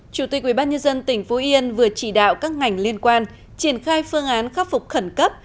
chủ tịch ubnd tỉnh phú yên vừa chỉ đạo các ngành liên quan triển khai phương án khắc phục khẩn cấp